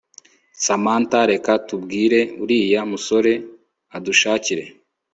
Samantha reka tubwire uriya musore adushakire